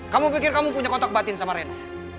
kamu pikir kamu punya kotak batin sama rena